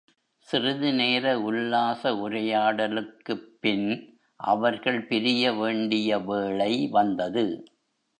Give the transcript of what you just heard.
சிறிது நேர உல்லாச உரையாடலுக்குப்பின் அவர்கள் பிரியவேண்டிய வேளை வந்தது.